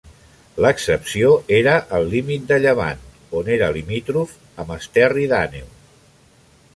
L'excepció era el límit de llevant, on era limítrof amb Esterri d'Àneu.